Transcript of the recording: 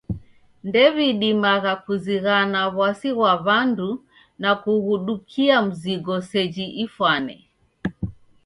Ndewidimagha kuzighana w'asi ghwa w'andu na kughudukia msigo seji ifwane.